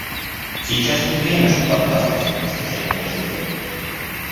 Сейчас не время, чтобы отказываться от достижения нашей цели.